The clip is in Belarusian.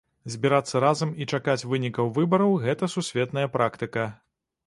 Збірацца разам і чакаць вынікаў выбараў гэта сусветная практыка.